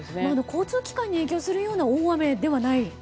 交通機関に影響するような大雨ではないんですか？